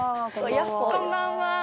こんばんは。